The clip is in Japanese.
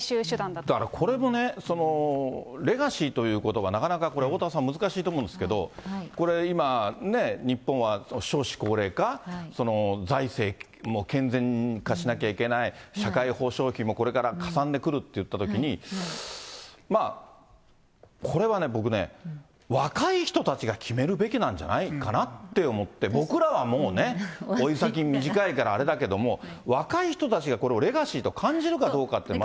だからこれのね、レガシーということば、なかなかこれ、おおたわさん、難しいと思うんですけれども、これ、今、日本は少子高齢化、財政も健全化しなきゃいけない、社会保障費もこれからかさんでくるっていったときに、これはね、僕ね、若い人たちが決めるべきなんじゃないかなって思って、僕らはもう老い先短いからあれだけども、若い人たちがこれをレガシーと感じるかどうかっていうね。